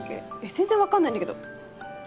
全然分かんないんだけど。